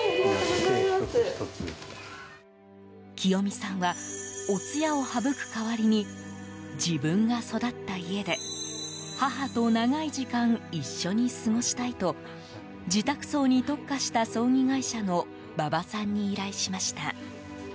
清美さんはお通夜を省く代わりに自分が育った家で母と長い時間一緒に過ごしたいと自宅葬に特化した葬儀会社の馬場さんに依頼しました。